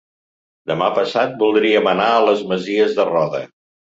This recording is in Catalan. Demà passat voldríem anar a les Masies de Roda.